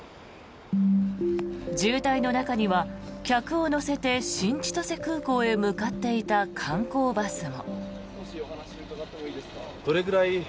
渋滞の中には客を乗せて新千歳空港に向かっていた観光バスも。